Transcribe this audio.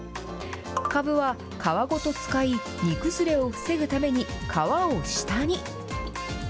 カブは皮ごと使い、煮崩れを防ぐために、皮を下に。